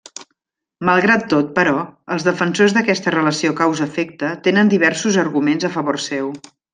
Malgrat tot, però, els defensors d'aquesta relació causa-efecte tenen diversos arguments a favor seu.